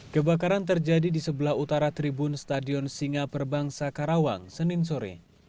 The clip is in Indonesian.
kebakaran terjadi di sebelah utara tribun stadion singaperbangsa karawang senin sore